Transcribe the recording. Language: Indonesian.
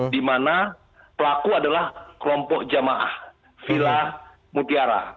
di mana pelaku adalah kelompok jemaah vila mutiara